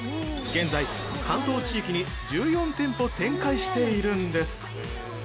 現在、関東地域に１４店舗展開しているんです。